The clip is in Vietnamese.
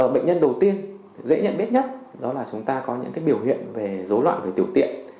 bệnh nhân đầu tiên dễ nhận biết nhất đó là chúng ta có những biểu hiện về dối loạn về tiểu tiện